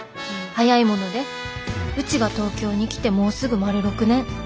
「早いものでうちが東京に来てもうすぐ丸６年。